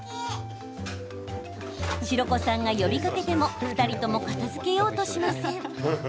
白子さんが呼びかけても２人とも片づけようとしません。